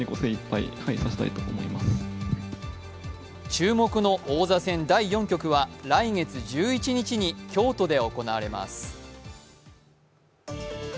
注目の王座戦第４局は来月１１日に京都で行われます。